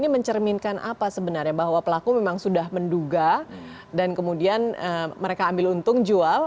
memang sudah menduga dan kemudian mereka ambil untung jual